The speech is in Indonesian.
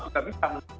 bisa bisa menuntut